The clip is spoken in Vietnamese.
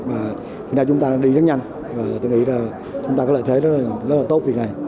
và hiện nay chúng ta đang đi rất nhanh và tôi nghĩ là chúng ta có lợi thế rất là tốt việc này